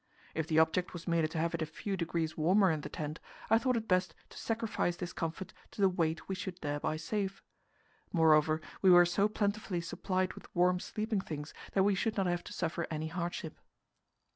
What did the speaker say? If the object was merely to have it a few degrees warmer in the tent, I thought it best to sacrifice this comfort to the weight we should thereby save. Moreover, we were so plentifully supplied with warm sleeping things that we should not have to suffer any hardship.